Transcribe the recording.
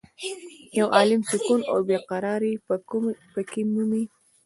یو عالم سکون او بې قرارې په کې مومې.